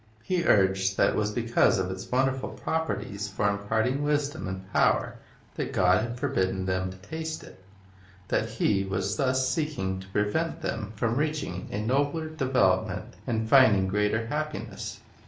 He urged that it was because of its wonderful properties for imparting wisdom and power that God had forbidden them to taste it; that He was thus seeking to prevent them from reaching a Reason, nobler development and finding greater happiness.